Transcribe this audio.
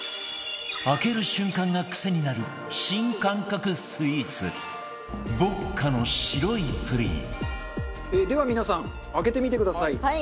開ける瞬間がクセになる新感覚スイーツ牧家の白いプリンでは皆さん開けてみてください。